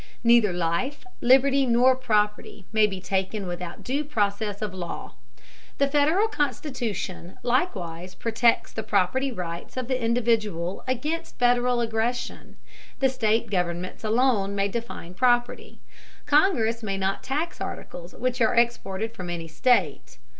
Neither life, liberty nor property may be taken without due process of law. The Federal Constitution likewise protects the property rights of the individual against Federal aggression. The state governments alone may define property. Congress may not tax articles which are exported from any state.